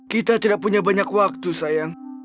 kita tidak punya banyak waktu sayang